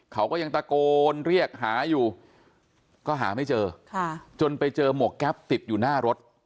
เขาก็ยังตะโกนเรียกหาอยู่ก็หาไม่เจอจนไปเจอหมวกแก๊ปติดอยู่หน้ารถ